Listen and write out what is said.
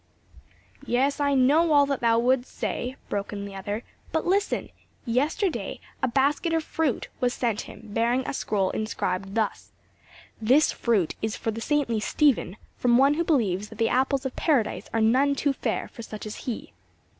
"Yes; I know all that thou wouldst say;" broke in the other, "but listen! Yesterday a basket of fruit was sent him, bearing a scroll inscribed thus: 'This fruit is for the saintly Stephen, from one who believes that the apples of Paradise are none too fair for such as he.